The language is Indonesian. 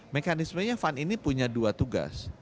mekanismenya fun ini punya dua tugas